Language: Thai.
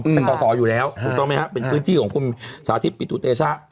เป็นประสอบอยู่แล้วต้องไหมครับเป็นพื้นที่ของคุณสาธิปิตตุเตชะ